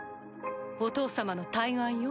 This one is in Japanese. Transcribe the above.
お父様の大願よ。